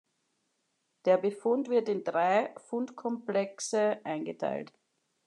Der Befund wird in drei Fundkomplexe eingeteilt.